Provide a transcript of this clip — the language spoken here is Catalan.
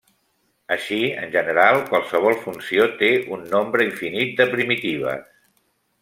Així, en general qualsevol funció té un nombre infinit de primitives.